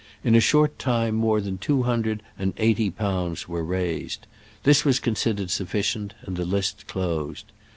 In a short time more than two hundred and eighty pounds were raised. This was considered sufficient, and the list closed.